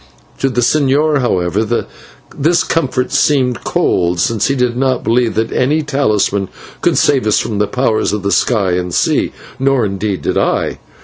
To the señor, however, this comfort seemed cold, since he did not believe that any talisman could save us from the powers of the sky and sea, nor indeed did I.